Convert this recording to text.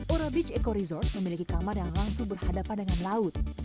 ora beach eco resort memiliki kamar yang langsung berhadapan dengan laut